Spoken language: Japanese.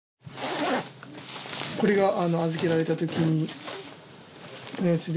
これが預けられた時のやつで。